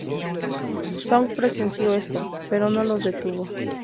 Song presenció esto, pero no los detuvo.